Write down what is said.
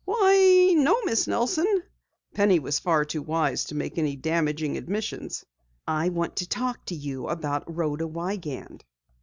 "Why, no, Miss Nelson." Penny was far too wise to make damaging admissions. "I want to talk to you about Rhoda Wiegand."